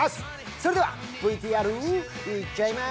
それではＶＴＲ、行っちゃいま